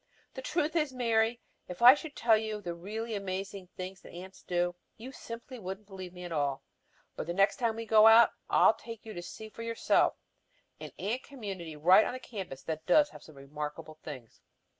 The truth is, Mary, if I should tell you the really amazing things that ants do, you simply wouldn't believe me at all. But the next time we go out, I'll take you to see for yourself an ant community right on the campus that does some remarkable things.